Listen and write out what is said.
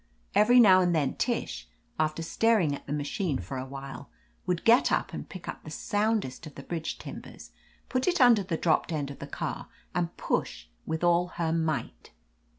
Every now and then Tish, after staring at the machine for a while, would get up and pick up the soundest of the bridge timbers, put it under the dropped end of the car and push with all her might.